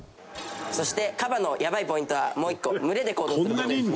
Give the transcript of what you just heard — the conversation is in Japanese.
「そしてカバのヤバいポイントはもう１個群れで行動する事ですね」